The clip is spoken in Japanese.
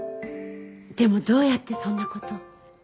でもどうやってそんな事を？